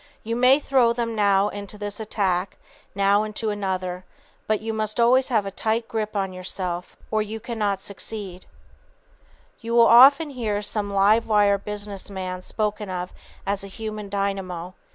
You may throw them now into this attack, now into another; but you must always have a tight grip on yourself, or you cannot succeed. [Sidenote: The Human Dynamo] You will often hear some "live wire" business man spoken of as a "human dynamo."